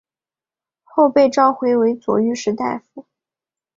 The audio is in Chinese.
后被召回为左御史大夫。